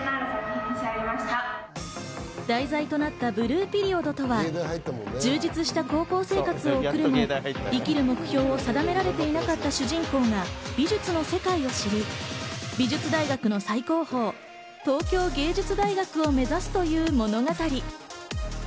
題材となった『ブルーピリオド』とは、充実した高校生活を送るも、生きる目標を定められていなかった主人公が美術の世界を知り、美術大学の最高峰・東京藝術大学を目指すという物語。